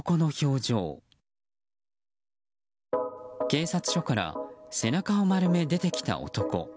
警察署から背中を丸め出てきた男。